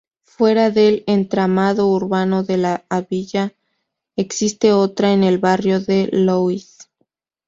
Fuera del entramado urbano de la villa existe otra en el barrio de Lois.